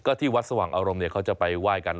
ก็ที่วัดสว่างอารมณ์เนี่ยเขาจะไปไหว้กัน